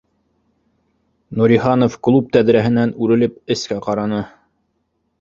Нуриханов клуб тәҙрәһенән үрелеп эскә ҡараны